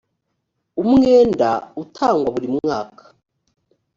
umwenda utangwa buri mwaka